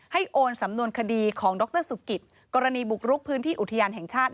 โอนสำนวนคดีของดรสุกิตกรณีบุกรุกพื้นที่อุทยานแห่งชาติ